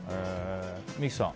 三木さん